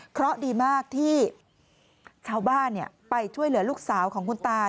เพราะดีมากที่ชาวบ้านไปช่วยเหลือลูกสาวของคุณตา